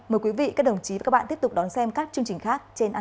mời quý vị các đồng chí và các bạn tiếp tục đón xem các chương trình khác trên anntv